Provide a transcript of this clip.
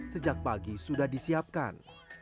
sejak pagi sudah disiapkan